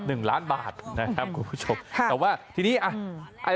หนึ่งล้านบาทนะครับคุณผู้ชมค่ะแต่ว่าทีนี้อ่ะไอ้